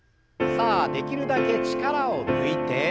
さあできるだけ力を抜いて。